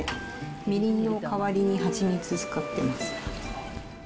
みりんの代わりに蜂蜜使ってます。